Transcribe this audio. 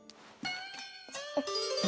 あっ。